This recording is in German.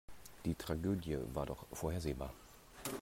Die Tragödie war doch vorhersehbar.